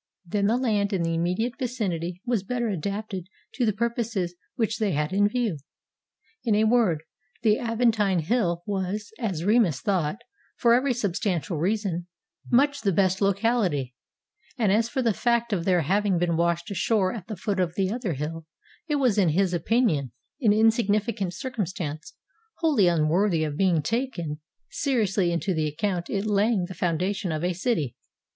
Then the land in the immediate vicinity was better adapted to the purposes which they had in view. In a word, the Aventine Hill was, as Remus thought, for every substantial reason, much the best locality; and as for the fact of their having been washed ashore at the foot of the other hill, it was in his opinion an insigni ficant circumstance, wholly unworthy of being taken 255 ROME seriously into the account in laying the foundation of a city.